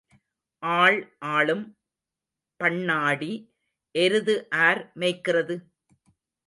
ஆள் ஆளும் பண்ணாடி எருது ஆர் மேய்க்கிறது?